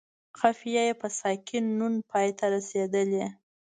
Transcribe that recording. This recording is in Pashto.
قافیه یې په ساکن نون پای ته رسیدلې.